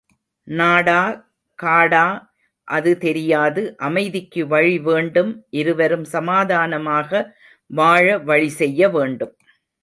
நாடா காடா அது தெரியாது அமைதிக்கு வழி வேண்டும் இருவரும் சமாதானமாக வாழ வழி செய்ய வேண்டும்.